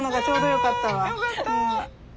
よかった。